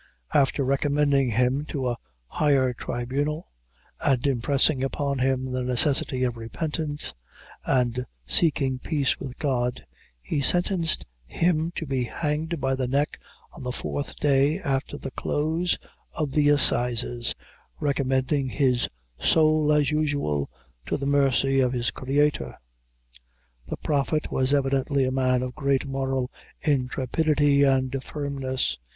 After recommending him to a higher tribunal, and impressing upon him the necessity of repentance, and seeking peace with God, he sentenced him to be hanged by the neck on the fourth day after the close of the assizes, recommending his soul, as usual, to the mercy of his Creator. The Prophet was evidently a man of great moral intrepidity and firmness.